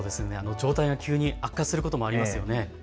状態が急に悪化することもありますよね。